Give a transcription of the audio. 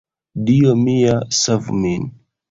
Dio mia, savu min!